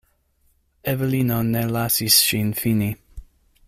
Evelino ne lasis ŝin fini.